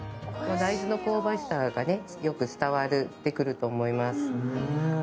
大豆の香ばしさがよく伝わってくると思います。